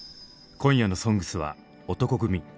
今夜の「ＳＯＮＧＳ」は男闘呼組。